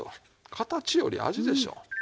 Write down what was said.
形より味でしょう。